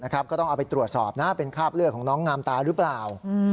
ก็ต้องเอาไปตรวจสอบนะเป็นคราบเลือดของน้องงามตาหรือเปล่า